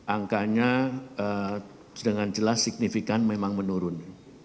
angkanya dengan jelas signifikan memang menurun